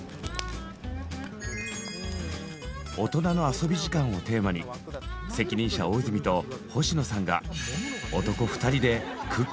「オトナの遊び時間」をテーマに責任者大泉と星野さんが男２人でクッキング。